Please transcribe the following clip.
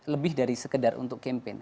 lebih dari sekedar untuk campaign